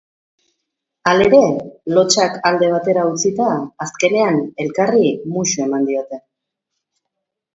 Halere, lotsak alde batera utzita, azkenean elkarri musu eman diote.